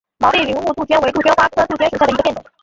毛背云雾杜鹃为杜鹃花科杜鹃属下的一个变种。